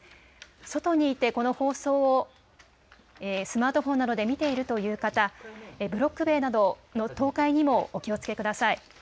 外にいてこの放送をスマートフォンなどで見ているという方、ブロック塀などの倒壊にもお気をつけください。